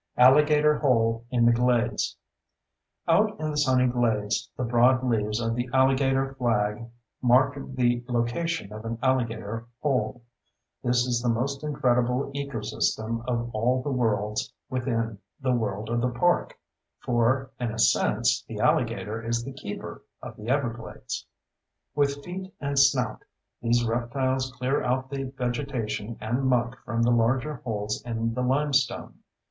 Alligator Hole in the Glades Out in the sunny glades the broad leaves of the alligator flag mark the location of an alligator hole. This is the most incredible ecosystem of all the worlds within the world of the park; for in a sense the alligator is the keeper of the everglades. With feet and snout these reptiles clear out the vegetation and muck from the larger holes in the limestone.